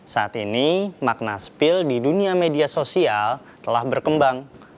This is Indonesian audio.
saat ini makna spill di dunia media sosial telah berkembang